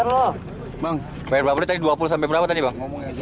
bang bayar berapa tadi dua puluh sampai berapa tadi bang